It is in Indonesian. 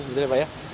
betul ya pak ya